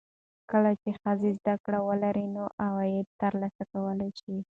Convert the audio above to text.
کله چې ښځه زده کړه ولري، نو عواید ترلاسه کولی شي.